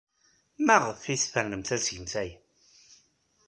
Maɣef ay tfernemt ad tgemt aya?